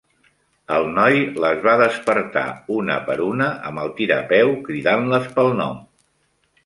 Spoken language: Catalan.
El noi les va despertar, una per una, amb el tirapeu, cridant-les pel nom.